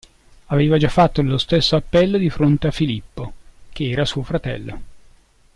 Aveva già fatto lo stesso appello di fronte a Filippo, che era suo fratello.